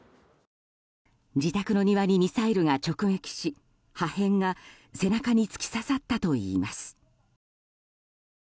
自宅の庭にミサイルが直撃し破片が背中に突き刺さったといいます。